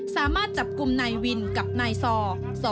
สามารถจับกลุ่มนายวินกับนายซอ